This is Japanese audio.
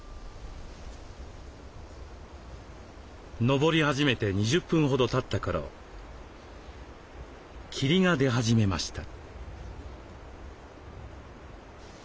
登り始めて２０分ほどたった頃霧が出始めました。